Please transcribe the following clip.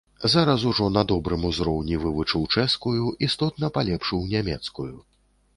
Зараз ужо на добрым узроўні вывучыў чэшскую, істотна палепшыў нямецкую.